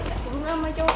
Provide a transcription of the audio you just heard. deketin sama cowok